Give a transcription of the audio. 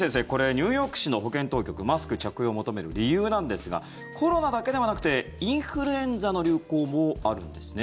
ニューヨーク市の保健当局マスク着用を求める理由なんですがコロナだけではなくてインフルエンザの流行もあるんですね。